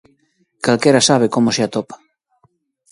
Calquera sabe como se atopa.